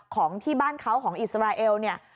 ของที่บ้านเขาของอิสราเอลเนี่ย